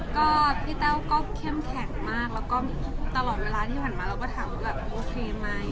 ก็พี่แต้วก็เข้มแข็งมากแล้วก็ตลอดเวลาที่ผ่านมาเราก็ถามว่าแบบโอเคไหม